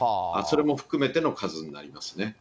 それも含めての数になりますね。